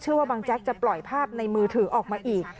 ว่าบางแจ๊กจะปล่อยภาพในมือถือออกมาอีก